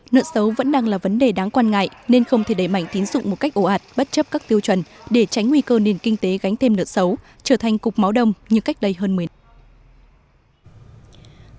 nợ số vẫn đang là vấn đề đáng quan ngại nên không thể đẩy mạnh tín dụng một cách ổ ạt bất chấp các tiêu chuẩn để tránh nguy cơ nền kinh tế gánh thêm nợ số trở thành cục máu đông như cách lây hơn mình